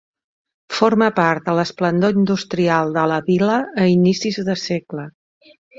Forma part de l'esplendor industrial de la vila a inicis de segle.